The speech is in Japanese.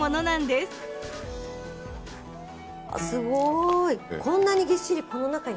すごい。